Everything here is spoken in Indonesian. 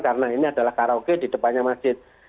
karena ini adalah karaoke di depannya masjid